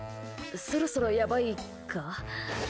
そろそろやばいか？